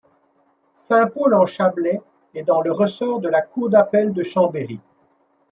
Saint-Paul-en-Chablais est dans le ressort de la cour d'appel de Chambéry.